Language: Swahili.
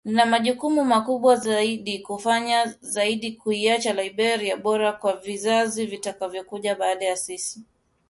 Nina majukumu makubwa zaidi kufanya zaidi kuiacha Liberia bora kwa vizazi vitakavyokuja baada ya sisi